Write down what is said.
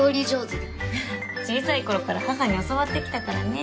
小さい頃から母に教わってきたからね。